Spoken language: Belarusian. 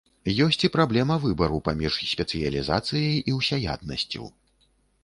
Ёсць і праблема выбару паміж спецыялізацыяй і ўсяяднасцю.